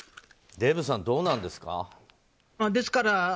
デーブさん、どうなんですか？